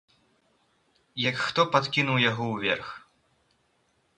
Як хто падкінуў яго ўверх.